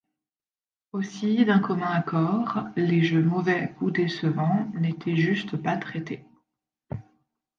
Aussi, d'un commun accord, les jeux mauvais ou décevants n'étaient juste pas traités.